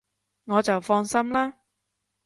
我就放心喇